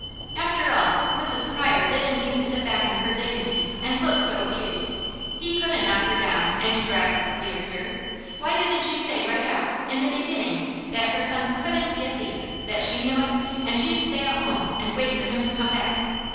After all Mrs. Pryor didn't need to sit back on her dignity and look so abused. He couldn't knock her down, and drag her clear here. Why didn't she say right out, in the beginning, that her son COULDN'T be a thief, that she knew it, and she'd stay at home and wait for him to come back?